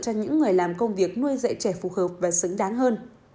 cho những người làm công việc nuôi dạy trẻ phù hợp và xứng đáng hơn